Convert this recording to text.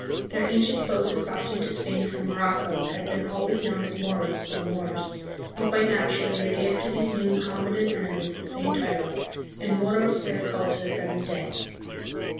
Their ancient foes who crossed into Spain from Morocco had been always known as "Moros" or "Moors," and quite naturally they gave to these new Mohammedan enemies the same title, and Moros they are called to the present day.